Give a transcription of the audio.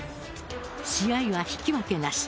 試合は引き分けなし。